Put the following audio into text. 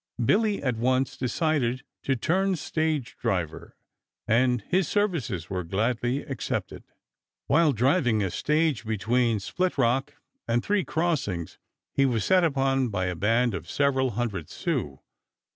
Billy at once decided to turn stage driver, and his services were gladly accepted. While driving a stage between Split Rock and Three Crossings he was set upon by a band of several hundred Sioux.